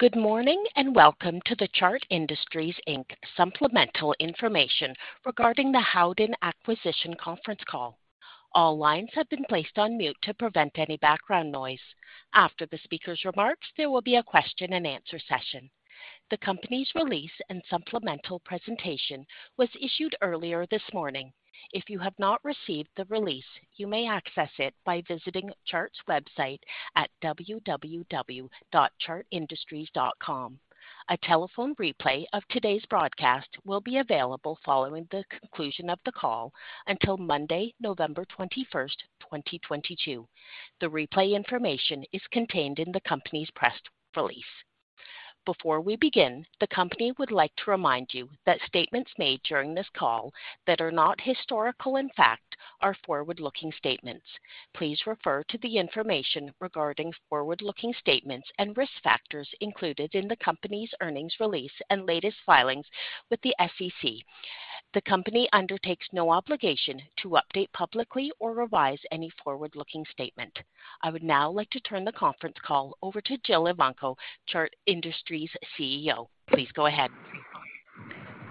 Good morning, and welcome to the Chart Industries, Inc. supplemental information regarding the Howden Acquisition conference call. All lines have been placed on mute to prevent any background noise. After the speaker's remarks, there will be a question-and-answer session. The company's release and supplemental presentation was issued earlier this morning. If you have not received the release, you may access it by visiting Chart's website at www.chartindustries.com.A telephone replay of today's broadcast will be available following the conclusion of the call until Monday, November 21st, 2022. The replay information is contained in the company's press release. Before we begin, the company would like to remind you that statements made during this call that are not historical in fact, are forward-looking statements. Please refer to the information regarding forward-looking statements and risk factors included in the company's earnings release and latest filings with the SEC. The company undertakes no obligation to update publicly or revise any forward-looking statement. I would now like to turn the conference call over to Jill Evanko, Chart Industries CEO. Please go ahead.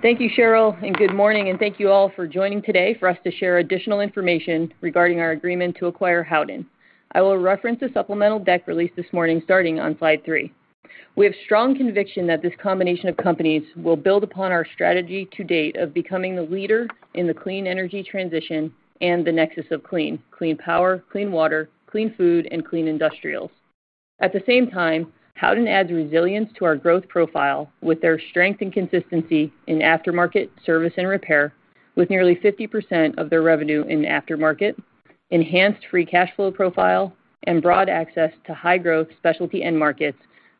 Thank you, Cheryl, and good morning and thank you all for joining today for us to share additional information regarding our agreement to acquire Howden. I will reference the supplemental deck released this morning starting on slide three. We have strong conviction that this combination of companies will build upon our strategy to date of becoming the leader in the clean energy transition and The Nexus of Clean, clean power, clean water, clean food, and clean industrials. At the same time, Howden adds resilience to our growth profile with their strength and consistency in aftermarket service and repair with nearly 50% of their revenue in aftermarket, enhanced free cash flow profile and broad access to high-growth specialty end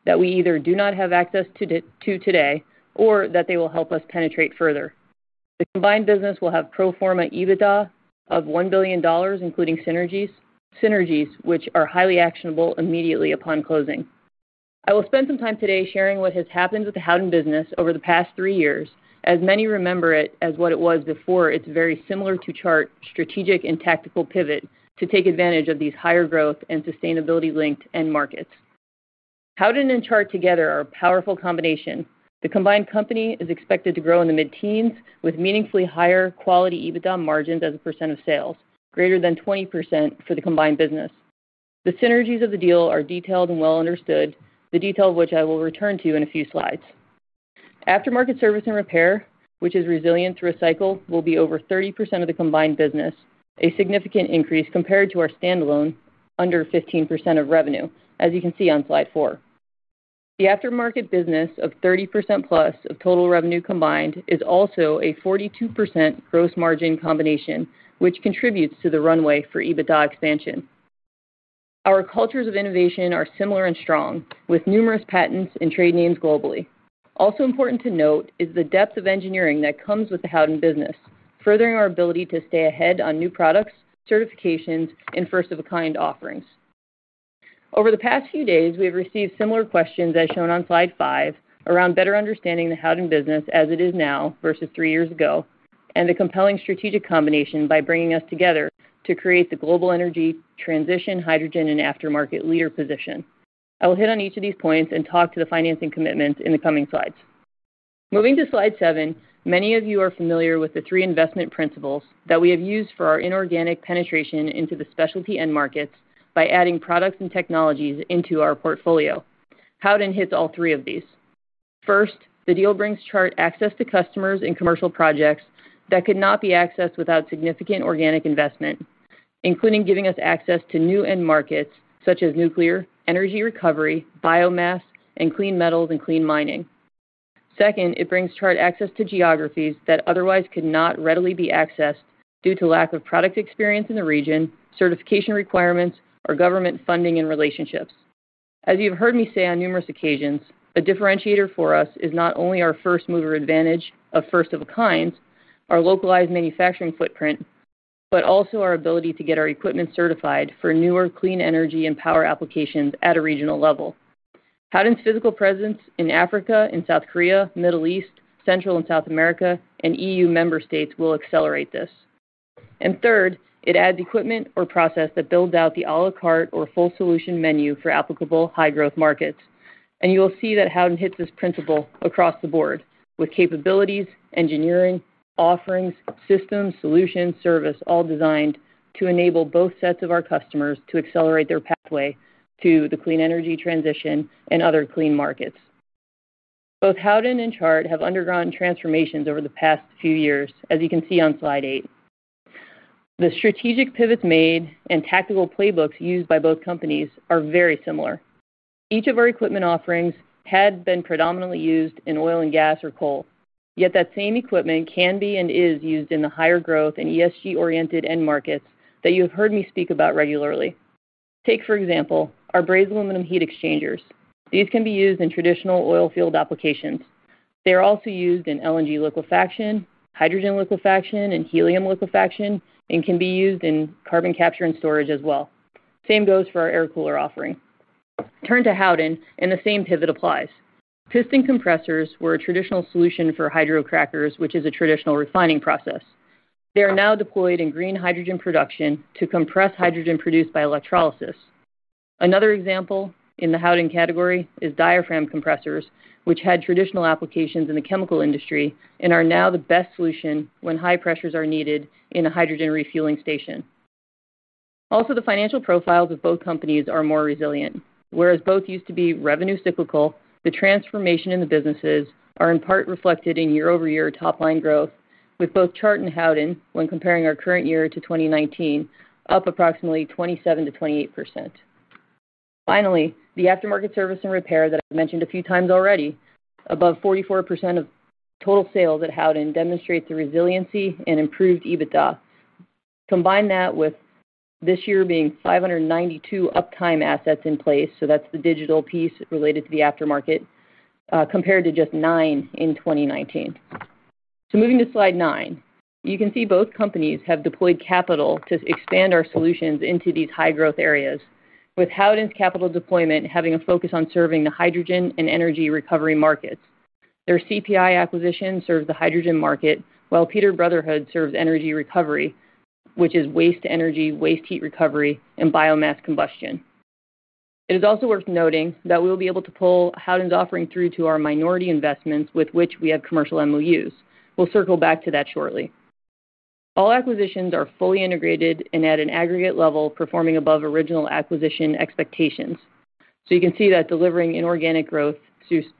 markets that we either do not have access to to today or that they will help us penetrate further. The combined business will have pro forma EBITDA of $1 billion, including synergies, which are highly actionable immediately upon closing. I will spend some time today sharing what has happened with the Howden business over the past three years, as many remember it as what it was before. It's very similar to Chart's strategic and tactical pivot to take advantage of these higher growth and sustainability-linked end markets. Howden and Chart together are a powerful combination. The combined company is expected to grow in the mid-teens with meaningfully higher quality EBITDA margins as a percent of sales, greater than 20% for the combined business. The synergies of the deal are detailed and well understood, the detail of which I will return to in a few slides. Aftermarket Service and Repair, which is resilient through a cycle, will be over 30% of the combined business, a significant increase compared to our standalone under 15% of revenue, as you can see on slide four. The aftermarket business of 30%+ of total revenue combined is also a 42% gross margin combination, which contributes to the runway for EBITDA expansion. Our cultures of innovation are similar and strong, with numerous patents and trade names globally. Also important to note is the depth of engineering that comes with the Howden business, furthering our ability to stay ahead on new products, certifications, and first-of-a-kind offerings. Over the past few days, we have received similar questions as shown on slide five around better understanding the Howden business as it is now versus three years ago and the compelling strategic combination by bringing us together to create the global energy transition, hydrogen and aftermarket leader position. I will hit on each of these points and talk to the financing commitments in the coming slides. Moving to slide seven, many of you are familiar with the three investment principles that we have used for our inorganic penetration into the specialty end markets by adding products and technologies into our portfolio. Howden hits all three of these. First, the deal brings Chart access to customers in commercial projects that could not be accessed without significant organic investment, including giving us access to new end markets such as nuclear, energy recovery, biomass, and clean metals and clean mining. Second, it brings Chart access to geographies that otherwise could not readily be accessed due to lack of product experience in the region, certification requirements or government funding and relationships. As you've heard me say on numerous occasions, a differentiator for us is not only our first-mover advantage of first of a kind, our localized manufacturing footprint, but also our ability to get our equipment certified for newer clean energy and power applications at a regional level. Howden's physical presence in Africa, in South Korea, Middle East, Central and South America, and EU member states will accelerate this. Third, it adds equipment or process that builds out the à la carte or full solution menu for applicable high-growth markets. You will see that Howden hits this principle across the board with capabilities, engineering, offerings, systems, solutions, service, all designed to enable both sets of our customers to accelerate their pathway to the clean energy transition and other clean markets. Both Howden and Chart have undergone transformations over the past few years, as you can see on slide eight. The strategic pivots made and tactical playbooks used by both companies are very similar. Each of our equipment offerings had been predominantly used in oil and gas or coal. Yet that same equipment can be and is used in the higher growth and ESG-oriented end markets that you have heard me speak about regularly. Take, for example, our brazed aluminum heat exchangers. These can be used in traditional oil field applications. They are also used in LNG liquefaction, hydrogen liquefaction, and helium liquefaction, and can be used in carbon capture and storage as well. Same goes for our air cooler offering. Turn to Howden and the same pivot applies. Piston compressors were a traditional solution for hydrocrackers, which is a traditional refining process. They are now deployed in green hydrogen production to compress hydrogen produced by electrolysis. Another example in the Howden category is diaphragm compressors, which had traditional applications in the chemical industry and are now the best solution when high pressures are needed in a hydrogen refueling station. Also, the financial profiles of both companies are more resilient. Whereas both used to be revenue cyclical, the transformation in the businesses are in part reflected in year-over-year top line growth, with both Chart and Howden, when comparing our current year to 2019, up approximately 27%-28%. Finally, the aftermarket Service and Repair that I've mentioned a few times already, above 44% of total sales at Howden demonstrate the resiliency and improved EBITDA. Combine that with this year being 592 uptime assets in place, so that's the digital piece related to the aftermarket, compared to just nine in 2019. Moving to slide nine, you can see both companies have deployed capital to expand our solutions into these high growth areas. With Howden's capital deployment having a focus on serving the hydrogen and energy recovery markets. Their CPI acquisition serves the hydrogen market, while Peter Brotherhood serves energy recovery, which is waste energy, waste heat recovery, and biomass combustion. It is also worth noting that we will be able to pull Howden's offering through to our minority investments with which we have commercial MOUs. We'll circle back to that shortly. All acquisitions are fully integrated and at an aggregate level performing above original acquisition expectations. You can see that delivering inorganic growth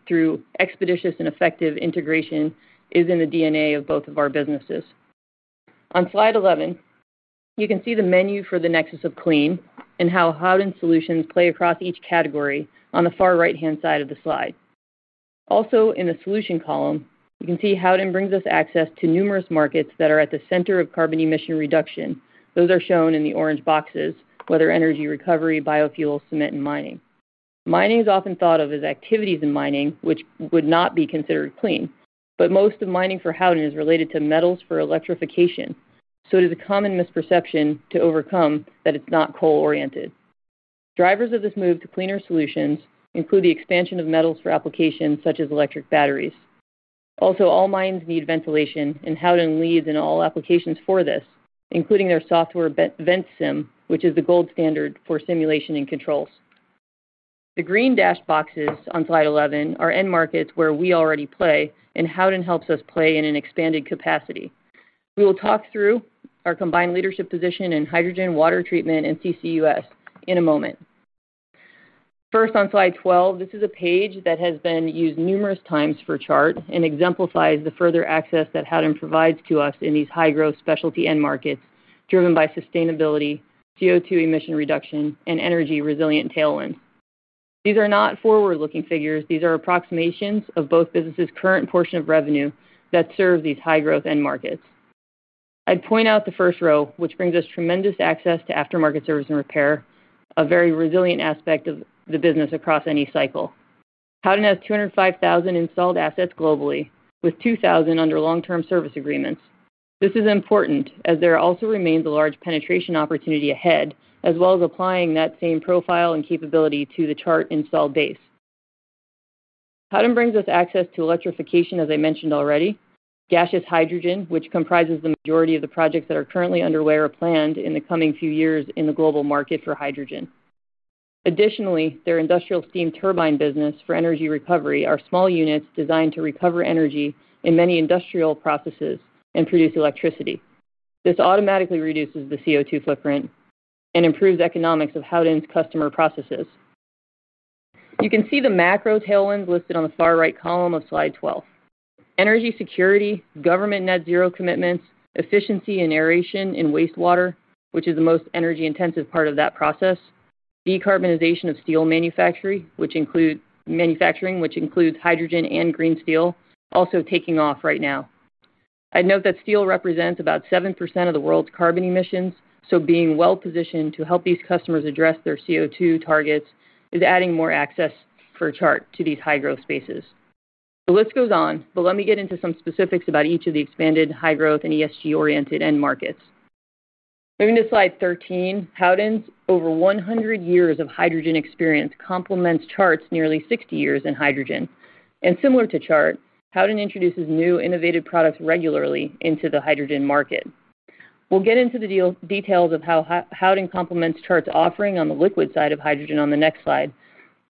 through expeditious and effective integration is in the DNA of both of our businesses. On slide 11, you can see the menu for The Nexus of Clean and how Howden solutions play across each category on the far right-hand side of the slide. Also, in the solution column, you can see Howden brings us access to numerous markets that are at the center of carbon emission reduction. Those are shown in the orange boxes, whether energy recovery, biofuels, cement, and mining. Mining is often thought of as activities in mining, which would not be considered clean. Most of mining for Howden is related to metals for electrification. It is a common misperception to overcome that it's not coal-oriented. Drivers of this move to cleaner solutions include the expansion of metals for applications such as electric batteries. All mines need ventilation, and Howden leads in all applications for this, including their software Ventsim, which is the gold standard for simulation and controls. The green dashed boxes on slide 11 are end markets where we already play, and Howden helps us play in an expanded capacity. We will talk through our combined leadership position in hydrogen, water treatment, and CCUS in a moment. First, on slide 12, this is a page that has been used numerous times for Chart and exemplifies the further access that Howden provides to us in these high-growth specialty end markets driven by sustainability, CO2 emission reduction, and energy resilient tailwinds. These are not forward-looking figures. These are approximations of both businesses' current portion of revenue that serve these high-growth end markets. I'd point out the first row, which brings us tremendous access to aftermarket service and repair, a very resilient aspect of the business across any cycle. Howden has 205,000 installed assets globally, with 2,000 under long-term service agreements. This is important as there also remains a large penetration opportunity ahead, as well as applying that same profile and capability to the Chart installed base. Howden brings us access to electrification, as I mentioned already. Gaseous hydrogen, which comprises the majority of the projects that are currently underway or planned in the coming few years in the global market for hydrogen. Additionally, their industrial steam turbine business for energy recovery are small units designed to recover energy in many industrial processes and produce electricity. This automatically reduces the CO2 footprint and improves economics of Howden's customer processes. You can see the macro tailwinds listed on the far right column of slide 12. Energy security, government net zero commitments, efficiency and aeration in wastewater, which is the most energy-intensive part of that process. Decarbonization of steel manufacturing, which includes hydrogen and green steel, also taking off right now. I'd note that steel represents about 7% of the world's carbon emissions, so being well-positioned to help these customers address their CO2 targets is adding more access for Chart to these high-growth spaces. The list goes on, but let me get into some specifics about each of the expanded high growth and ESG-oriented end markets. Moving to slide 13, Howden's over 100 years of hydrogen experience complements Chart's nearly 60 years in hydrogen. Similar to Chart, Howden introduces new innovative products regularly into the hydrogen market. We'll get into the deal details of how Howden complements Chart's offering on the liquid side of hydrogen on the next slide,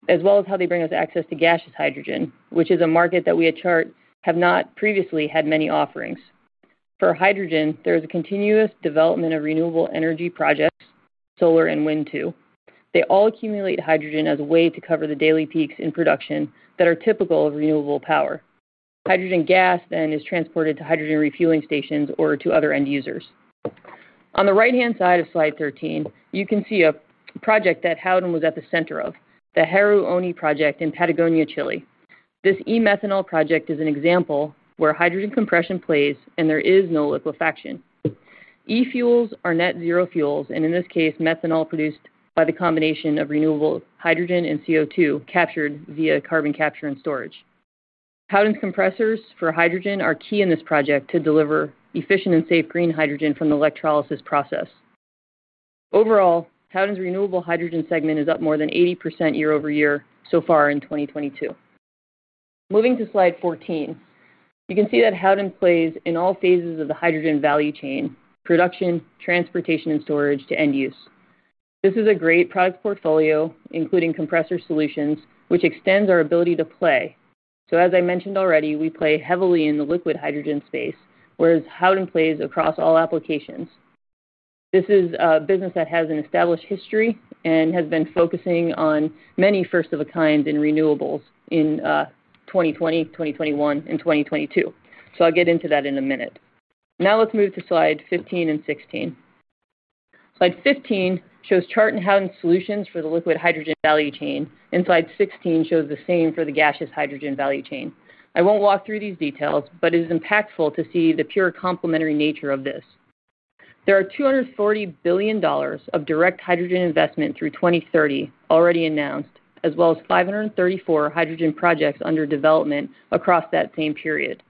as well as how they bring us access to gaseous hydrogen, which is a market that we at Chart have not previously had many offerings. For hydrogen, there is a continuous development of renewable energy projects, solar and wind too. They all accumulate hydrogen as a way to cover the daily peaks in production that are typical of renewable power. Hydrogen gas then is transported to hydrogen refueling stations or to other end users. On the right-hand side of slide 13, you can see a project that Howden was at the center of, the Haru Oni project in Patagonia, Chile. This e-methanol project is an example where hydrogen compression plays and there is no liquefaction. e-fuels are net zero fuels, and in this case, methanol produced by the combination of renewable hydrogen and CO2 captured via carbon capture and storage. Howden's compressors for hydrogen are key in this project to deliver efficient and safe green hydrogen from the electrolysis process. Overall, Howden's renewable hydrogen segment is up more than 80% year-over-year so far in 2022. Moving to slide 14, you can see that Howden plays in all phases of the hydrogen value chain, production, transportation, and storage to end use. This is a great product portfolio, including compressor solutions, which extends our ability to play. As I mentioned already, we play heavily in the liquid hydrogen space, whereas Howden plays across all applications. This is a business that has an established history and has been focusing on many first of a kind in renewables in 2020, 2021, and 2022. I'll get into that in a minute. Now let's move to slide 15 and 16. Slide 15 shows Chart and Howden solutions for the liquid hydrogen value chain, and slide 16 shows the same for the gaseous hydrogen value chain. I won't walk through these details, but it is impactful to see the pure complementary nature of this. There are $240 billion of direct hydrogen investment through 2030 already announced, as well as 534 hydrogen projects under development across that same period.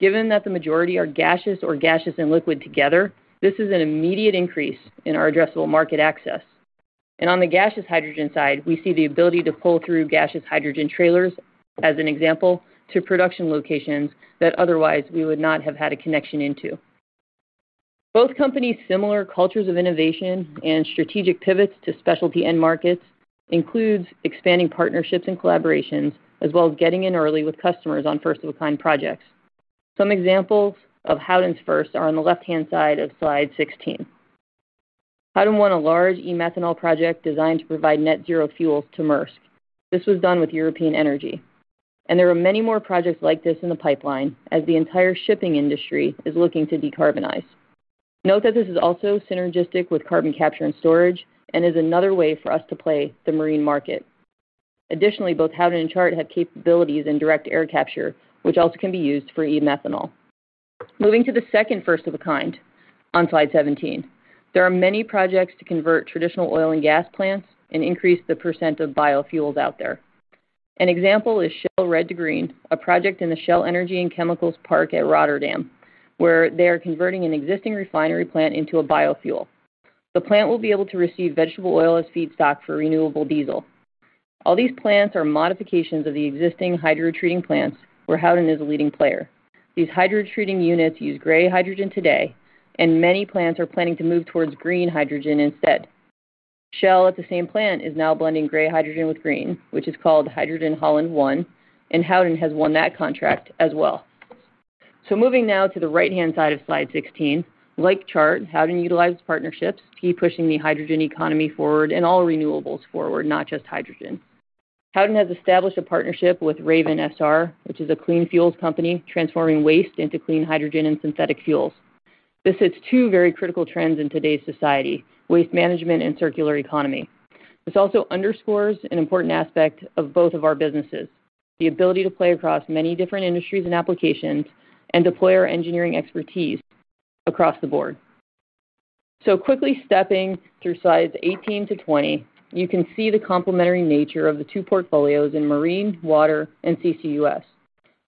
Given that the majority are gaseous or liquid together, this is an immediate increase in our addressable market access. On the gaseous hydrogen side, we see the ability to pull through gaseous hydrogen trailers, as an example, to production locations that otherwise we would not have had a connection into. Both companies similar cultures of innovation and strategic pivots to specialty end markets includes expanding partnerships and collaborations, as well as getting in early with customers on first of a kind projects. Some examples of Howden's first are on the left-hand side of slide 16. Howden won a large e-methanol project designed to provide net zero fuel to Maersk. This was done with European Energy. There are many more projects like this in the pipeline as the entire shipping industry is looking to decarbonize. Note that this is also synergistic with carbon capture and storage and is another way for us to play the marine market. Additionally, both Howden and Chart have capabilities in direct air capture, which also can be used for e-methanol. Moving to the second first-of-a-kind on slide 17. There are many projects to convert traditional oil and gas plants and increase the percent of biofuels out there. An example is Shell Red to Green, a project in the Shell Energy and Chemicals Park Rotterdam, where they are converting an existing refinery plant into a biofuel. The plant will be able to receive vegetable oil as feedstock for renewable diesel. All these plants are modifications of the existing hydrotreating plants, where Howden is a leading player. These hydrotreating units use gray hydrogen today, and many plants are planning to move towards green hydrogen instead. Shell at the same plant is now blending gray hydrogen with green, which is called Hydrogen Holland I, and Howden has won that contract as well. Moving now to the right-hand side of slide 16. Like Chart, Howden utilizes partnerships to keep pushing the hydrogen economy forward and all renewables forward, not just hydrogen. Howden has established a partnership with Raven SR, which is a clean fuels company transforming waste into clean hydrogen and synthetic fuels. This hits two very critical trends in today's society, waste management and circular economy. This also underscores an important aspect of both of our businesses, the ability to play across many different industries and applications and deploy our engineering expertise across the board. Quickly stepping through slides 18-20, you can see the complementary nature of the two portfolios in marine, water, and CCUS.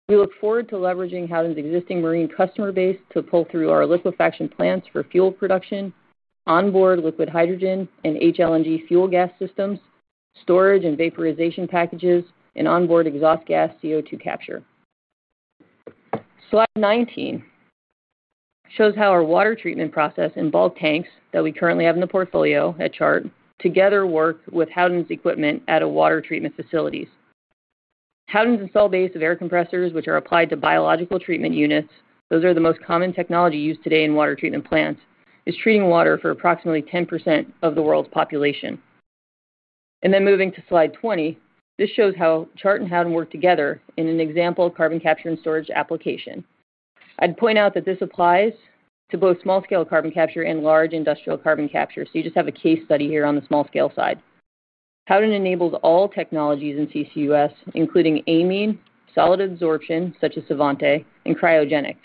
We look forward to leveraging Howden's existing marine customer base to pull through our liquefaction plants for fuel production, onboard liquid hydrogen and HLNG fuel gas systems, storage and vaporization packages, and onboard exhaust gas CO2 capture. Slide 19 shows how our water treatment process in bulk tanks that we currently have in the portfolio at Chart together work with Howden's equipment at a water treatment facilities. Howden's install base of air compressors which are applied to biological treatment units, those are the most common technology used today in water treatment plants, is treating water for approximately 10% of the world's population. Moving to slide 20, this shows how Chart and Howden work together in an example of carbon capture and storage application. I'd point out that this applies to both small-scale carbon capture and large industrial carbon capture. You just have a case study here on the small scale side. Howden enables all technologies in CCUS, including amine, solid adsorption, such as Svante, and cryogenic.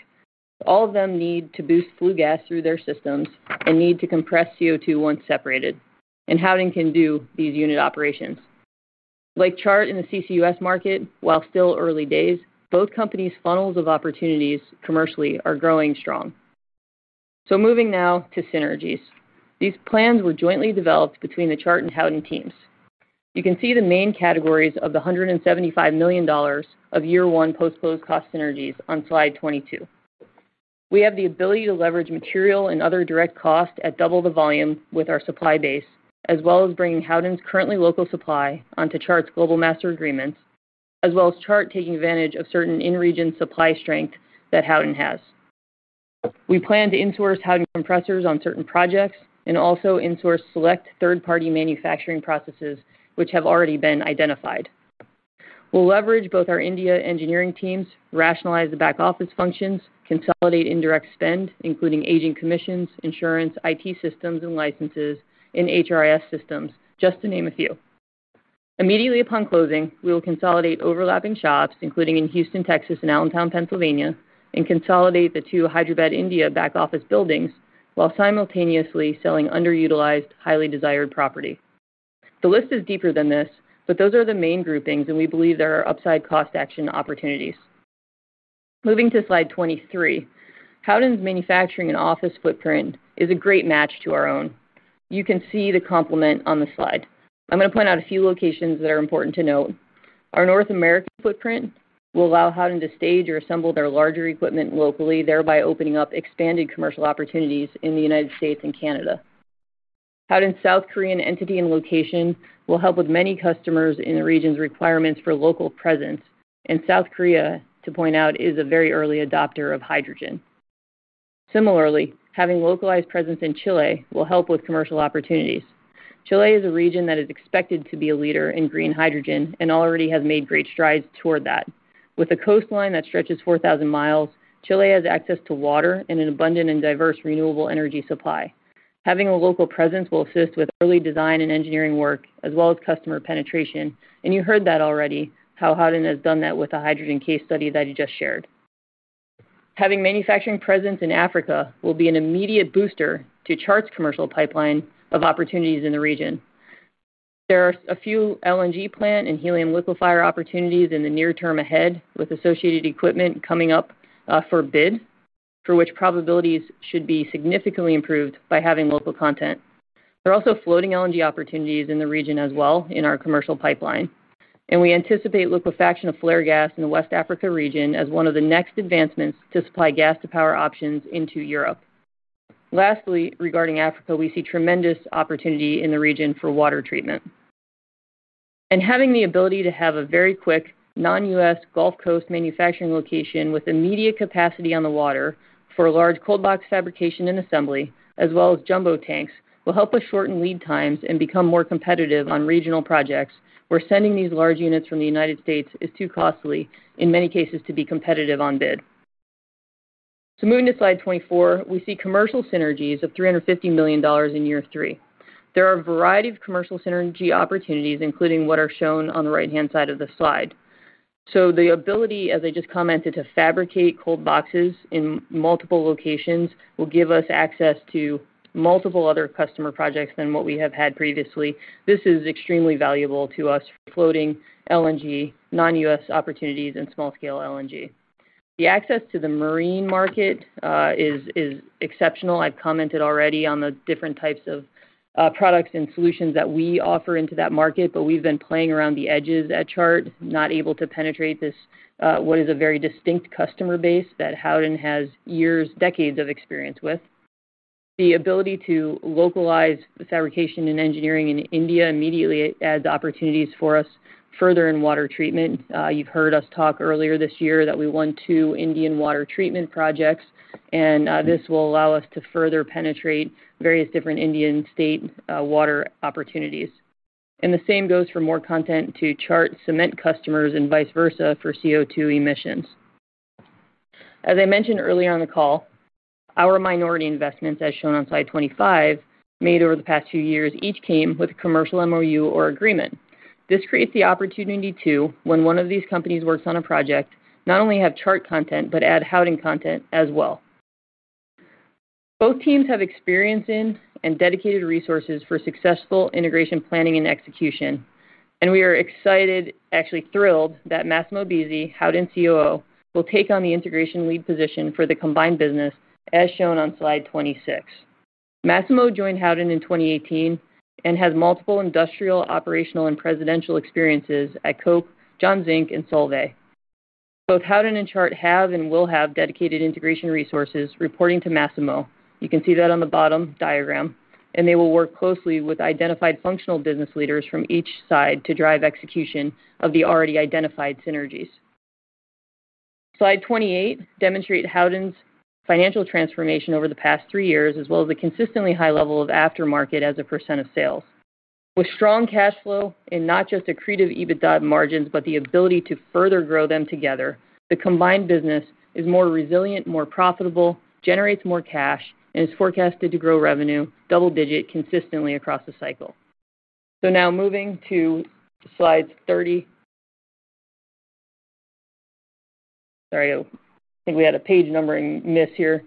All of them need to boost flue gas through their systems and need to compress CO2 once separated, and Howden can do these unit operations. Like Chart in the CCUS market, while still early days, both companies' funnels of opportunities commercially are growing strong. Moving now to synergies. These plans were jointly developed between the Chart and Howden teams. You can see the main categories of the $175 million of year one post-close cost synergies on slide 22. We have the ability to leverage material and other direct costs at double the volume with our supply base, as well as bringing Howden's currently local supply onto Chart's global master agreements, as well as Chart taking advantage of certain in-region supply strength that Howden has. We plan to insource Howden compressors on certain projects and also insource select third-party manufacturing processes which have already been identified. We'll leverage both our India engineering teams, rationalize the back office functions, consolidate indirect spend, including agent commissions, insurance, IT systems and licenses, and HRIS systems, just to name a few. Immediately upon closing, we will consolidate overlapping shops, including in Houston, Texas and Allentown, Pennsylvania, and consolidate the two Hyderabad, India back office buildings while simultaneously selling underutilized, highly desired property. The list is deeper than this, but those are the main groupings, and we believe there are upside cost action opportunities. Moving to slide 23. Howden's manufacturing and office footprint is a great match to our own. You can see the complement on the slide. I'm gonna point out a few locations that are important to note. Our North American footprint will allow Howden to stage or assemble their larger equipment locally, thereby opening up expanded commercial opportunities in the United States and Canada. Howden's South Korean entity and location will help with many customers in the region's requirements for local presence. South Korea, to point out, is a very early adopter of hydrogen. Similarly, having localized presence in Chile will help with commercial opportunities. Chile is a region that is expected to be a leader in green hydrogen and already has made great strides toward that. With a coastline that stretches 4,000 miles, Chile has access to water and an abundant and diverse renewable energy supply. Having a local presence will assist with early design and engineering work as well as customer penetration. You heard that already, how Howden has done that with the hydrogen case study that he just shared. Having manufacturing presence in Africa will be an immediate booster to Chart's commercial pipeline of opportunities in the region. There are a few LNG plant and helium liquefier opportunities in the near term ahead, with associated equipment coming up, for bid, for which probabilities should be significantly improved by having local content. There are also floating LNG opportunities in the region as well in our commercial pipeline, and we anticipate liquefaction of flare gas in the West Africa region as one of the next advancements to supply gas-to-power options into Europe. Lastly, regarding Africa, we see tremendous opportunity in the region for water treatment. Having the ability to have a very quick non-U.S. Gulf Coast manufacturing location with immediate capacity on the water for large cold box fabrication and assembly, as well as jumbo tanks, will help us shorten lead times and become more competitive on regional projects where sending these large units from the United States is too costly in many cases to be competitive on bid. Moving to slide 24, we see commercial synergies of $350 million in year three. There are a variety of commercial synergy opportunities, including what are shown on the right-hand side of the slide. The ability, as I just commented, to fabricate cold boxes in multiple locations will give us access to multiple other customer projects than what we have had previously. This is extremely valuable to us for floating LNG, non-U.S. opportunities, and small-scale LNG. The access to the marine market is exceptional. I've commented already on the different types of products and solutions that we offer into that market, but we've been playing around the edges at Chart, not able to penetrate this what is a very distinct customer base that Howden has years, decades of experience with. The ability to localize the fabrication and engineering in India immediately adds opportunities for us further in water treatment. You've heard us talk earlier this year that we won two Indian water treatment projects, and this will allow us to further penetrate various different Indian state water opportunities. The same goes for more content to Chart cement customers and vice versa for CO2 emissions. As I mentioned earlier on the call, our minority investments, as shown on slide 25, made over the past few years, each came with a commercial MOU or agreement. This creates the opportunity to, when one of these companies works on a project, not only have Chart content, but add Howden content as well. Both teams have experience in and dedicated resources for successful integration planning and execution, and we are excited, actually thrilled, that Massimo Bisi, Howden's COO, will take on the integration lead position for the combined business, as shown on slide 26. Massimo joined Howden in 2018 and has multiple industrial, operational, and presidential experiences at Koch, John Zink, and Solvay. Both Howden and Chart have and will have dedicated integration resources reporting to Massimo. You can see that on the bottom diagram, and they will work closely with identified functional business leaders from each side to drive execution of the already identified synergies. Slide 28 demonstrate Howden's financial transformation over the past three years, as well as the consistently high level of aftermarket as a percent of sales. With strong cash flow and not just accretive EBITDA margins, but the ability to further grow them together, the combined business is more resilient, more profitable, generates more cash, and is forecasted to grow revenue double-digit consistently across the cycle. Now moving to slide 30. Sorry, I think we had a page numbering miss here.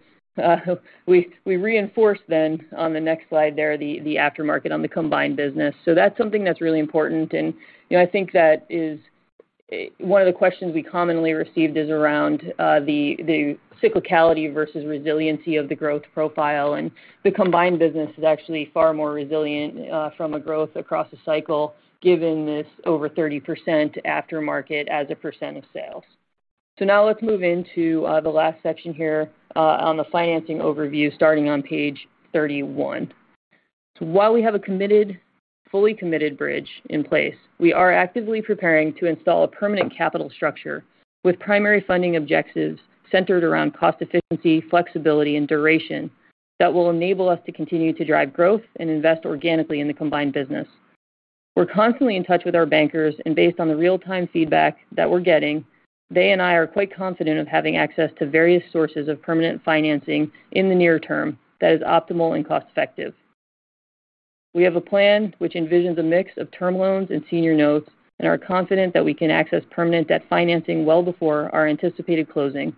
We reinforce then on the next slide there the aftermarket on the combined business. That's something that's really important. You know, I think that is one of the questions we commonly received is around the cyclicality versus resiliency of the growth profile. The combined business is actually far more resilient from a growth across the cycle, given this over 30% aftermarket as a percent of sales. Now let's move into the last section here on the financing overview, starting on page 31. While we have a committed, fully committed bridge in place, we are actively preparing to install a permanent capital structure with primary funding objectives centered around cost efficiency, flexibility, and duration that will enable us to continue to drive growth and invest organically in the combined business. We're constantly in touch with our bankers, and based on the real-time feedback that we're getting, they and I are quite confident of having access to various sources of permanent financing in the near term that is optimal and cost effective. We have a plan which envisions a mix of term loans and senior notes, and are confident that we can access permanent debt financing well before our anticipated closing,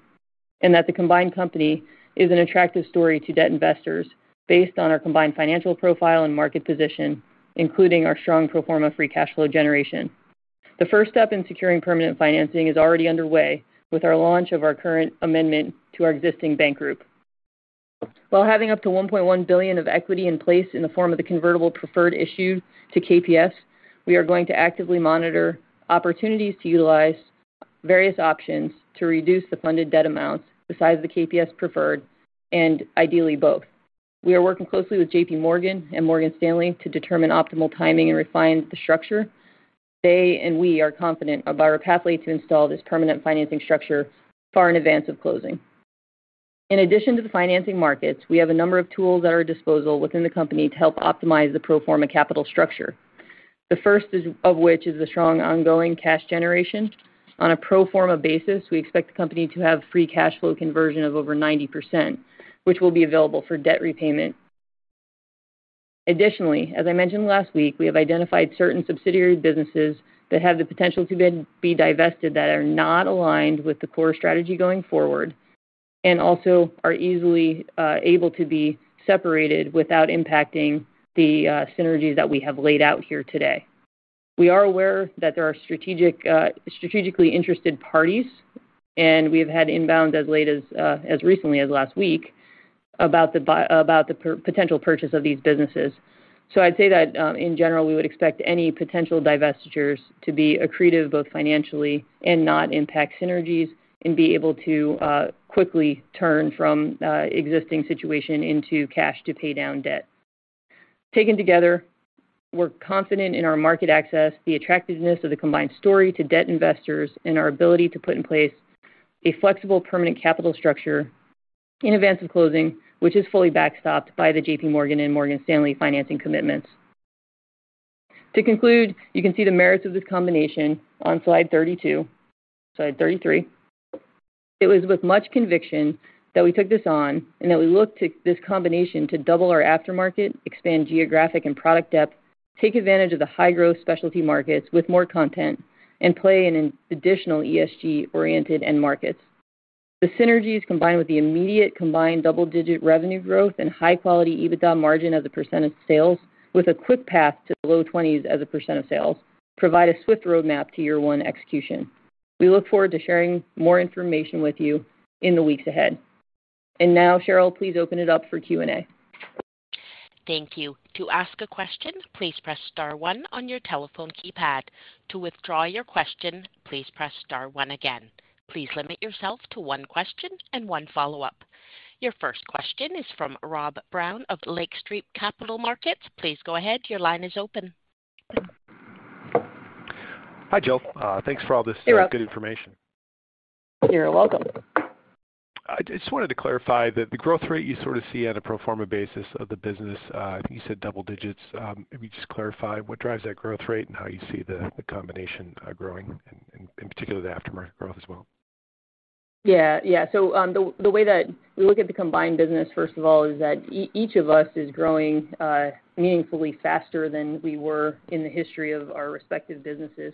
and that the combined company is an attractive story to debt investors based on our combined financial profile and market position, including our strong pro forma free cash flow generation. The first step in securing permanent financing is already underway with our launch of our current amendment to our existing bank group. While having up to $1.1 billion of equity in place in the form of the convertible preferred issued to KPS, we are going to actively monitor opportunities to utilize various options to reduce the funded debt amounts besides the KPS preferred and ideally both. We are working closely with JPMorgan and Morgan Stanley to determine optimal timing and refine the structure. They and we are confident about our pathway to install this permanent financing structure far in advance of closing. In addition to the financing markets, we have a number of tools at our disposal within the company to help optimize the pro forma capital structure. The first of which is the strong ongoing cash generation. On a pro forma basis, we expect the company to have free cash flow conversion of over 90%, which will be available for debt repayment. Additionally, as I mentioned last week, we have identified certain subsidiary businesses that have the potential to then be divested that are not aligned with the core strategy going forward, and also are easily able to be separated without impacting the synergies that we have laid out here today. We are aware that there are strategically interested parties, and we have had inbound as late as recently as last week about the potential purchase of these businesses. I'd say that, in general, we would expect any potential divestitures to be accretive both financially and not impact synergies and be able to quickly turn from existing situation into cash to pay down debt. Taken together, we're confident in our market access, the attractiveness of the combined story to debt investors, and our ability to put in place a flexible permanent capital structure in advance of closing, which is fully backstopped by the JPMorgan and Morgan Stanley financing commitments. To conclude, you can see the merits of this combination on slide 33. It was with much conviction that we took this on and that we look to this combination to double our aftermarket, expand geographic and product depth, take advantage of the high-growth specialty markets with more content and play in an additional ESG-oriented end markets. The synergies, combined with the immediate combined double-digit revenue growth and high-quality EBITDA margin as a percent of sales with a quick path to the low 20s as a percent of sales, provide a swift roadmap to year one execution. We look forward to sharing more information with you in the weeks ahead. Now, Cheryl, please open it up for Q&A. Thank you. To ask a question, please press star one on your telephone keypad. To withdraw your question, please press star one again. Please limit yourself to one question and one follow-up. Your first question is from Rob Brown of Lake Street Capital Markets. Please go ahead. Your line is open. Hi, Jill. Thanks for all this. You're welcome. Good information. You're welcome. I just wanted to clarify that the growth rate you sort of see on a pro forma basis of the business, I think you said double digits. If you could just clarify what drives that growth rate and how you see the combination growing, in particular the aftermarket growth as well. The way that we look at the combined business, first of all, is that each of us is growing meaningfully faster than we were in the history of our respective businesses.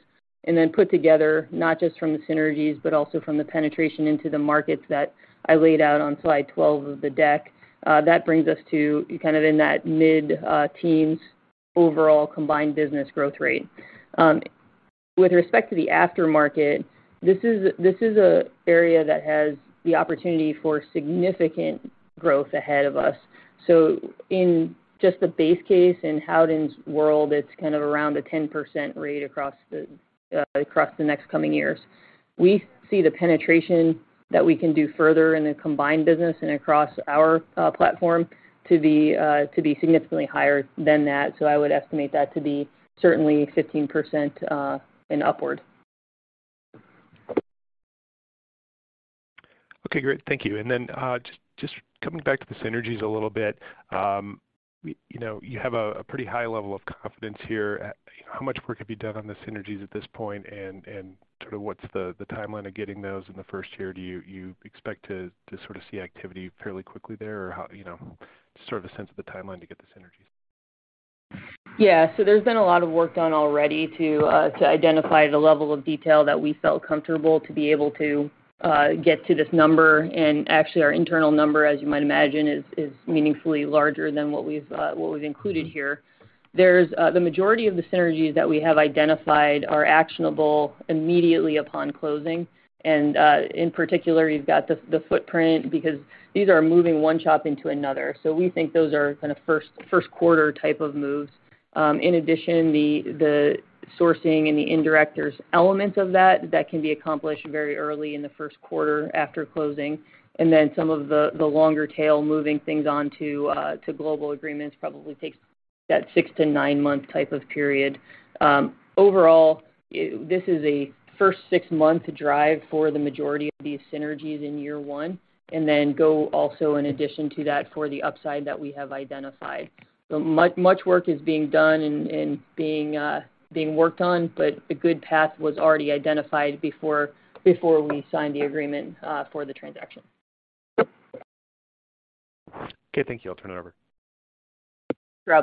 Put together, not just from the synergies but also from the penetration into the markets that I laid out on slide 12 of the deck, that brings us to kind of in that mid-teens overall combined business growth rate. With respect to the aftermarket, this is an area that has the opportunity for significant growth ahead of us. In just the base case, in Howden's world, it's kind of around a 10% rate across the next coming years. We see the penetration that we can do further in the combined business and across our platform to be significantly higher than that. I would estimate that to be certainly 15%, and upward. Okay, great. Thank you. Then just coming back to the synergies a little bit, you know, you have a pretty high level of confidence here. How much work have you done on the synergies at this point? Sort of what's the timeline of getting those in the first year? Do you expect to sort of see activity fairly quickly there? Or, you know, sort of a sense of the timeline to get the synergies. Yeah. There's been a lot of work done already to identify the level of detail that we felt comfortable to be able to get to this number. Actually, our internal number, as you might imagine, is meaningfully larger than what we've included here. The majority of the synergies that we have identified are actionable immediately upon closing. In particular, you've got the footprint because these are moving one shop into another. We think those are kinda first quarter type of moves. In addition, the sourcing and the indirect elements of that can be accomplished very early in the first quarter after closing. Then some of the longer tail moving things onto to global agreements probably takes that six to nine-month type of period. Overall, this is a first six-month drive for the majority of these synergies in year one, and then also in addition to that for the upside that we have identified. Much work is being done and being worked on, but a good path was already identified before we signed the agreement for the transaction. Okay, thank you. I'll turn it over. Sure.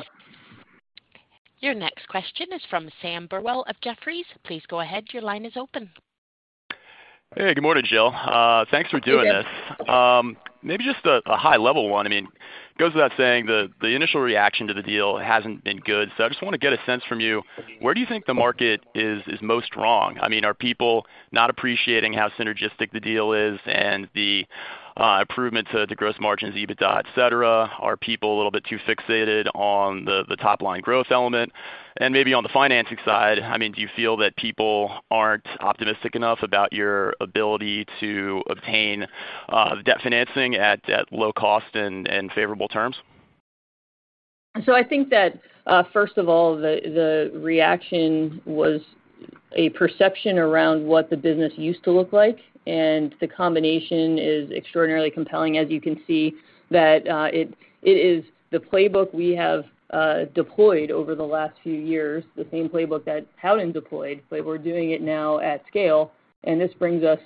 Your next question is from Sam Burwell of Jefferies. Please go ahead. Your line is open. Hey, good morning, Jill. Thanks for doing this. Good morning. Maybe just a high level one. I mean, it goes without saying the initial reaction to the deal hasn't been good. I just wanna get a sense from you, where do you think the market is most wrong? I mean, are people not appreciating how synergistic the deal is and the improvements to the gross margins, EBITDA, et cetera? Are people a little bit too fixated on the top line growth element? Maybe on the financing side, I mean, do you feel that people aren't optimistic enough about your ability to obtain debt financing at low cost and favorable terms? I think that, first of all, the reaction was a perception around what the business used to look like, and the combination is extraordinarily compelling. As you can see that, it is the playbook we have deployed over the last few years, the same playbook that Howden deployed, but we're doing it now at scale, and this brings us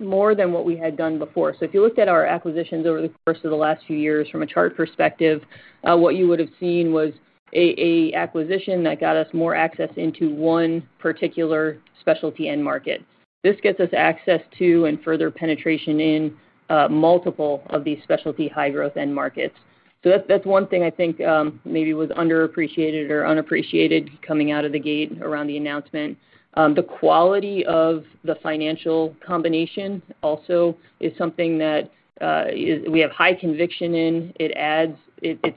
more than what we had done before. If you looked at our acquisitions over the course of the last few years from a Chart perspective, what you would have seen was a acquisition that got us more access into one particular specialty end market. This gets us access to and further penetration in multiple of these specialty high growth end markets. That's one thing I think maybe was underappreciated or unappreciated coming out of the gate around the announcement. The quality of the financial combination also is something that we have high conviction in. It's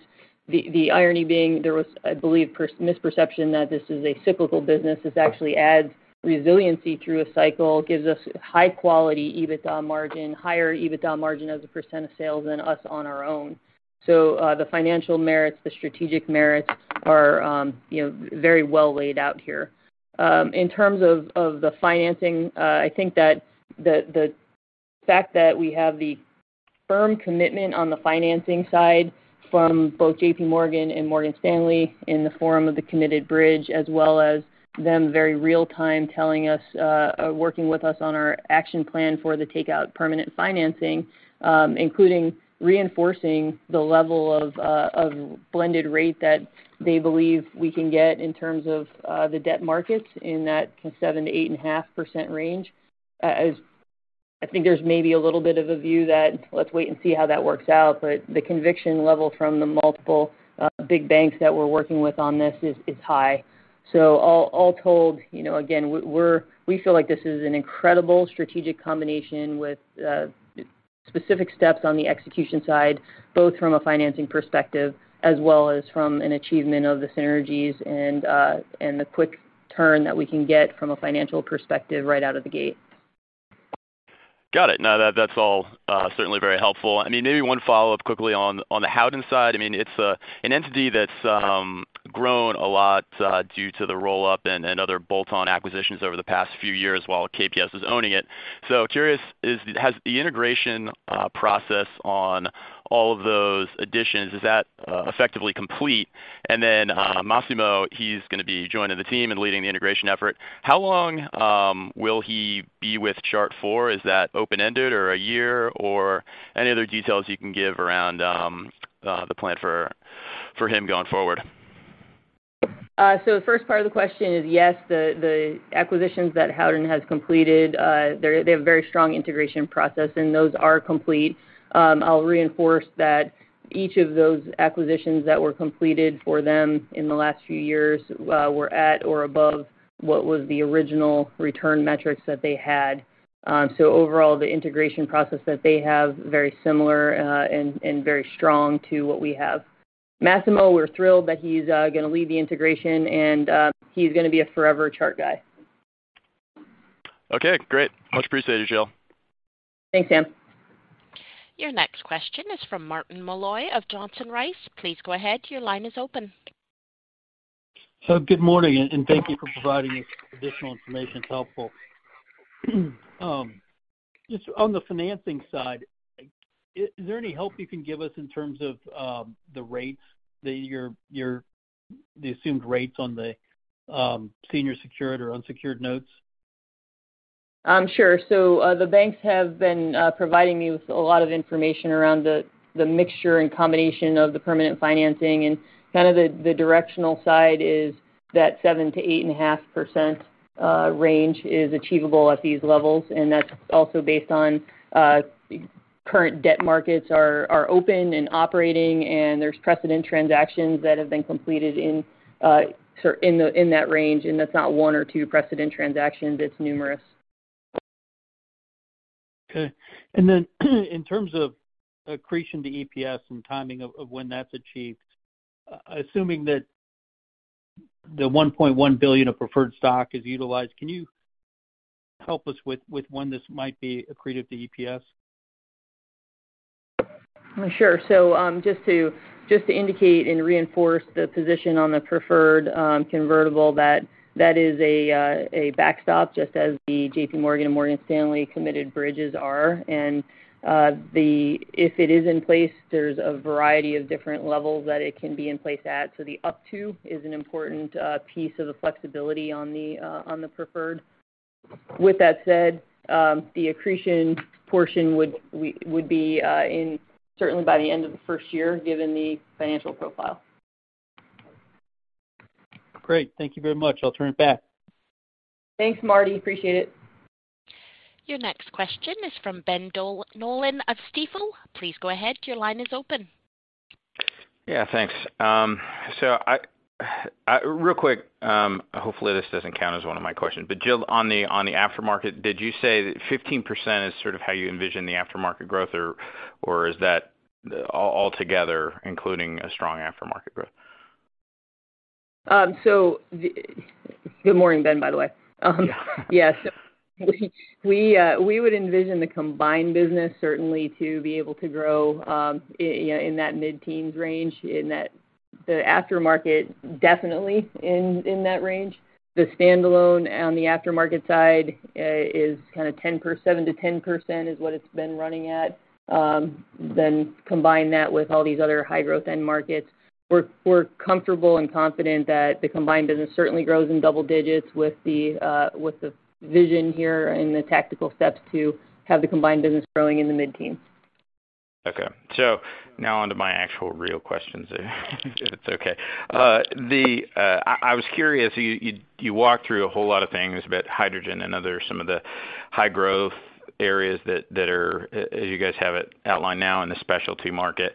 the irony being there was, I believe, misperception that this is a cyclical business. This actually adds resiliency through a cycle, gives us high quality EBITDA margin, higher EBITDA margin as a percent of sales than us on our own. The financial merits, the strategic merits are, you know, very well laid out here. In terms of the financing, I think that the fact that we have the firm commitment on the financing side from both JPMorgan and Morgan Stanley in the form of the committed bridge, as well as them very real-time telling us, working with us on our action plan for the takeout permanent financing, including reinforcing the level of blended rate that they believe we can get in terms of the debt markets in that 7%-8.5% range. I think there's maybe a little bit of a view that let's wait and see how that works out. The conviction level from the multiple big banks that we're working with on this is high. All told, you know, again, we're we feel like this is an incredible strategic combination with specific steps on the execution side, both from a financing perspective as well as from an achievement of the synergies and the quick turn that we can get from a financial perspective right out of the gate. Got it. No, that's all certainly very helpful. I mean, maybe one follow-up quickly on the Howden side. I mean, it's an entity that's grown a lot due to the roll-up and other bolt-on acquisitions over the past few years while KPS was owning it. Curious, has the integration process on all of those additions effectively complete? And then, Massimo, he's gonna be joining the team and leading the integration effort. How long will he be with Chart for? Is that open-ended or a year or any other details you can give around the plan for him going forward? The first part of the question is, yes, the acquisitions that Howden has completed, they have a very strong integration process, and those are complete. I'll reinforce that each of those acquisitions that were completed for them in the last few years, were at or above what was the original return metrics that they had. Overall, the integration process that they have, very similar, and very strong to what we have. Massimo, we're thrilled that he's gonna lead the integration, and he's gonna be a forever Chart guy. Okay, great. Much appreciated, Jill. Thanks, Sam. Your next question is from Martin Malloy of Johnson Rice. Please go ahead. Your line is open. Good morning, and thank you for providing this additional information. It's helpful. Just on the financing side, is there any help you can give us in terms of the assumed rates on the senior secured or unsecured notes? The banks have been providing me with a lot of information around the mixture and combination of the permanent financing. Kind of the directional side is that 7%-8.5% range is achievable at these levels, and that's also based on current debt markets are open and operating, and there's precedent transactions that have been completed in that range, and that's not one or two precedent transactions, it's numerous. Okay. In terms of accretion to EPS and timing of when that's achieved, assuming that the $1.1 billion of preferred stock is utilized, can you help us with when this might be accretive to EPS? Sure. Just to indicate and reinforce the position on the preferred convertible, that is a backstop, just as the JPMorgan and Morgan Stanley committed bridges are. If it is in place, there is a variety of different levels that it can be in place at. The up to is an important piece of the flexibility on the preferred. With that said, the accretion portion would be accretive certainly by the end of the first year, given the financial profile. Great. Thank you very much. I'll turn it back. Thanks, Marty. Appreciate it. Your next question is from Ben Nolan of Stifel. Please go ahead. Your line is open. Yeah, thanks. Real quick, hopefully this doesn't count as one of my questions, but Jill, on the aftermarket, did you say that 15% is sort of how you envision the aftermarket growth? Or is that all together, including a strong aftermarket growth? Good morning, Ben, by the way. Yeah. Yes. We would envision the combined business certainly to be able to grow, you know, in that mid-teens range, in that the aftermarket definitely in that range. The standalone on the aftermarket side is kinda 10% — 7%-10% is what it's been running at. Then combine that with all these other high-growth end markets, we're comfortable and confident that the combined business certainly grows in double digits with the vision here and the tactical steps to have the combined business growing in the mid-teens. Okay. Now on to my actual real questions, if it's okay. I was curious, you walked through a whole lot of things about hydrogen and some of the high growth areas that are, as you guys have it outlined now in the specialty market.